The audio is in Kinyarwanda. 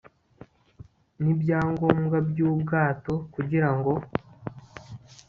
n'ibyangombwa by'ubwato kugirango